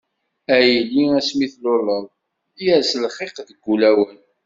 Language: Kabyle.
A yelli asmi tluleḍ, yers lxiq deg wulawen.